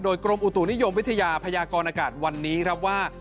โดยกรมอุตุนิยมวิทยาพยากรอากาศวันนี้ครับว่า